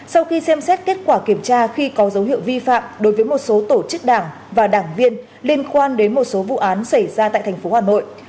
sau khi xem xét kết quả kiểm tra khi có dấu hiệu vi phạm đối với một số tổ chức đảng và đảng viên liên quan đến một số vụ án xảy ra tại tp hà nội